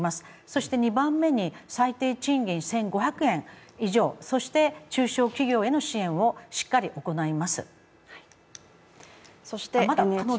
そして２番目に最低賃金１５００円以上、そして中小企業への支援をしっかり行います。